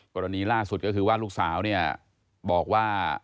กรณีล่าสุดก็คือว่าลูกสาวเนี่ยบอกว่า